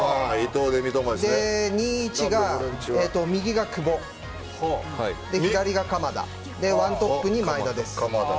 で、２‐１が、右が久保左が鎌田で１トップに前田です。